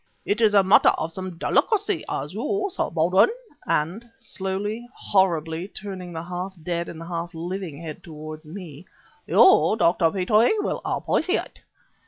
It is a matter of some delicacy as you, Sir Baldwin, and" slowly, horribly, turning the half dead and half living head towards me "you, Dr. Petrie, will appreciate.